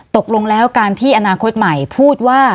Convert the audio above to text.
ตกลงแล้วการที่อนาคตใหม่พูดว่า